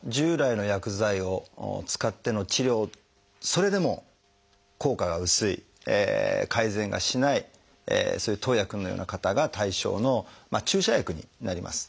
それでも効果が薄い改善がしないそういう徳文くんのような方が対象の注射薬になります。